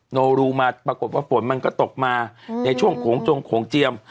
ปรากฏว่าฝนมันก็ตกมาในช่วงโขงเจียม